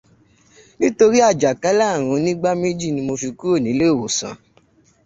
Nítorí àjàkálẹ̀ àrùn onígbá méjì ni mo fi kúrò nílé ìwòsàn